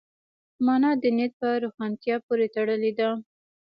مانا د نیت په روښانتیا پورې تړلې ده.